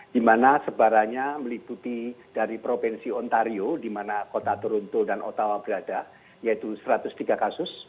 satu ratus empat puluh tujuh di mana sebarannya meliputi dari provinsi ontario di mana kota toronto dan ottawa berada yaitu satu ratus tiga kasus